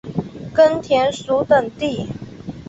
根田鼠等地。